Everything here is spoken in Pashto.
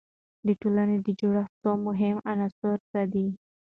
د ټولنې د جوړښت څو مهم عناصر څه دي؟